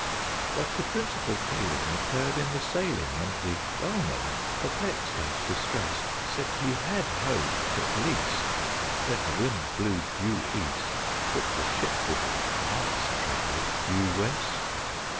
But the principal failing occurred in the sailing, And the Bellman, perplexed and distressed, Said he had hoped, at least, when the wind blew due East, That the ship would not travel due West!